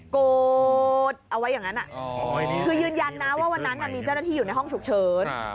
โกรธเอาไว้อย่างนั้นคือยืนยันนะว่าวันนั้นมีเจ้าหน้าที่อยู่ในห้องฉุกเฉิน